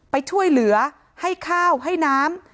ไปช่วยเหลือให้ข้าวให้น้ำ